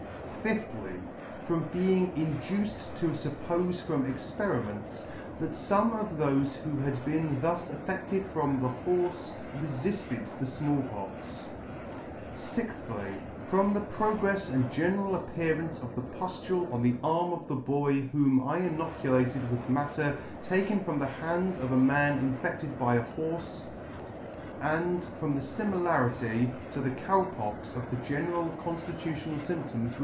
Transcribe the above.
Fifthly. From being induced to fuppofe from experiments, that fome of thofe who had been thus affedted from the horfe refilled the Small Pox. Sixthly. From the progrefs and general appearance of the pullule on the arm of the boy whom I inoculated with matter taken from the hand of a man infedled by a horfe ; and from the * This information was communicated to me from the firft authorities.